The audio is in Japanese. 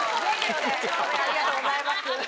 ありがとうございます。